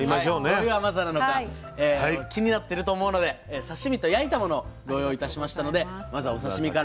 どういう甘さなのか気になってると思うので刺身と焼いたものご用意いたしましたのでまずはお刺身から。